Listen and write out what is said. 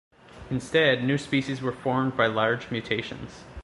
Instead, new species were formed by large mutations.